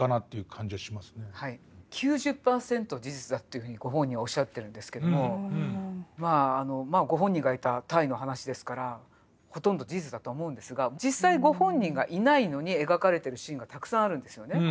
９０パーセント事実だっていうふうにご本人はおっしゃってるんですけどもまあご本人がいた隊の話ですからほとんど事実だとは思うんですが実際ご本人がいないのに描かれてるシーンがたくさんあるんですよね。